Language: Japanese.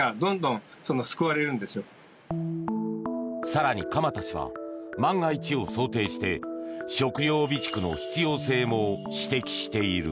更に、鎌田氏は万が一を想定して食料備蓄の必要性も指摘している。